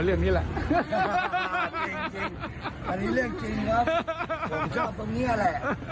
เรื่องนี้แหละจริงอันนี้เรื่องจริงครับผมชอบตรงนี้แหละ